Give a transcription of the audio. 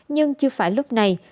nhưng chưa phải lúc này